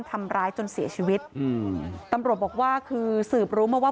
ทำร้ายจนเสียชีวิตอืมตำรวจบอกว่าคือสืบรู้มาว่า